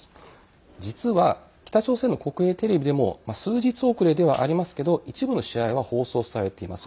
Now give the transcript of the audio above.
実は、北朝鮮の国営テレビでも数日遅れではありますけど一部の試合は放送されています。